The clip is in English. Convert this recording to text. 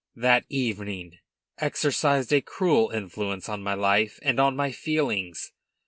That dinner, that evening exercised a cruel influence on my life and on my feelings.